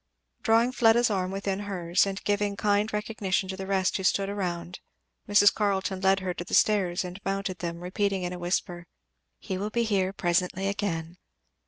Drawing Fleda's arm within hers and giving kind recognition to the rest who stood around, Mrs. Carleton led her to the stairs and mounted them, repeating in a whisper, "He will be here presently again."